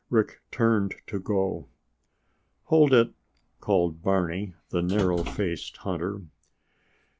Rick turned to go. "Hold it," called Barney, the narrow faced hunter.